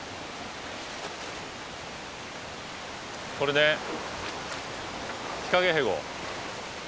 これねヒカゲヘゴ。